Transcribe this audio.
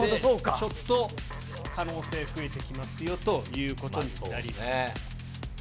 ちょっと、可能性増えてきますよということになります。